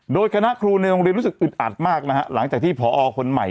โดยคณะครูในโรงเรียนรู้สึกอึดอัดมากนะฮะหลังจากที่พอคนใหม่